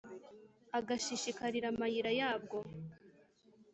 agashishikarira amayira yabwo,